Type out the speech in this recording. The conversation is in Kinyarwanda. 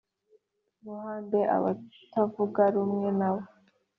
ruhande abatavuga rumwe na bo.